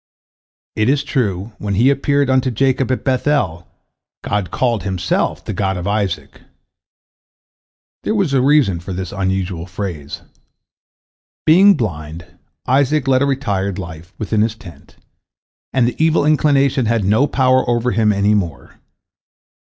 It is true, when He appeared unto Jacob at Beth el, God called Himself "the God of Isaac." There was a reason for the unusual phrase. Being blind, Isaac led a retired life, within his tent, and the evil inclination had no power over him any more.